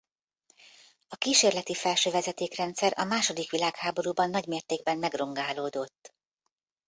A kísérleti felsővezeték-rendszer a második világháborúban nagymértékben megrongálódott.